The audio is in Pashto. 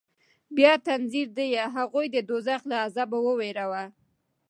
بيا تنذير ديه هغوى د دوزخ له عذابه ووېروه.